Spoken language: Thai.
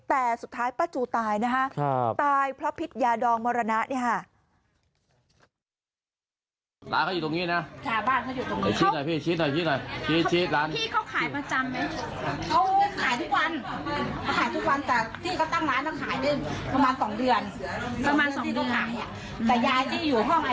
แต่สุดท้ายป้าจูตายนะคะตายเพราะพิษยาดองมรณะเนี่ยค่ะ